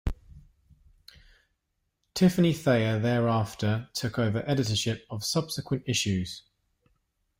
Tiffany Thayer thereafter took over editorship of subsequent issues.